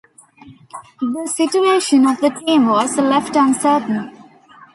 The situation of the team was left uncertain.